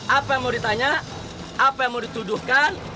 apa yang mau ditanya apa yang mau dituduhkan